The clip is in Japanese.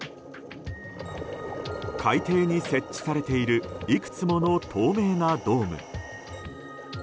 海底に設置されているいくつもの透明なドーム。